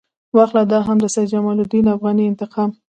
واخله دا هم د سید جمال الدین افغاني انتقام.